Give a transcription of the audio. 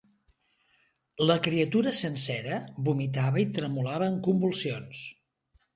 La criatura sencera vomitava i tremolava en convulsions.